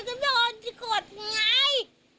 เค้าโดนจะกดไง